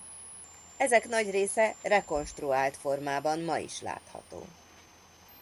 Ezek nagy része rekonstruált formában ma is látható.